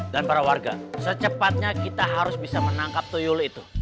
dan para warga secepatnya kita harus bisa menangkap tuyul itu